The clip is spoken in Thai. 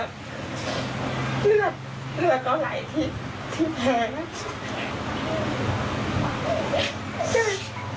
เลือดเหลือก็ไหลทิ้งทิ้งแพง